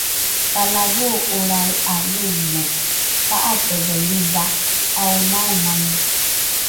talavoo’olrai ’a loomo pa’atedhelidha ’aomaomale